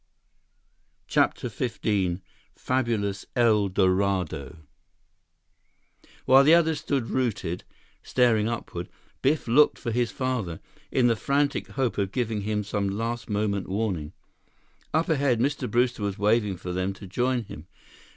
CHAPTER XV Fabulous El Dorado While the others stood rooted, staring upward, Biff looked for his father, in the frantic hope of giving him some last moment warning. Up ahead, Mr. Brewster was waving for them to join him.